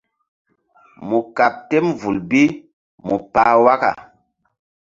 Mu kaɓ tem vul bi mu pah waka.